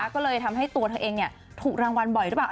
ก็เลยทำให้ตัวเธอเองถูกรางวัลบ่อยหรือเปล่า